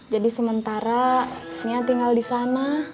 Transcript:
jadi sementara mia tinggal di sana